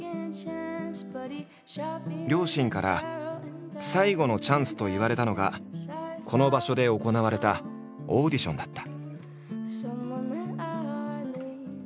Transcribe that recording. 両親から最後のチャンスと言われたのがこの場所で行われたオーディションだった。